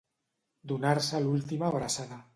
Donar-se l'última abraçada.